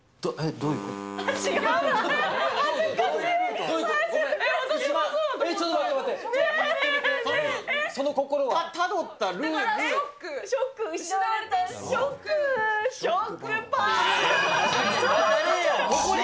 どういうこと？